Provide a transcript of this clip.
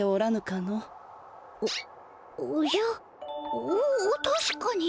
おおたしかに。